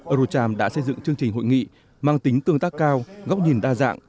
eurocharm đã xây dựng chương trình hội nghị mang tính tương tác cao góc nhìn đa dạng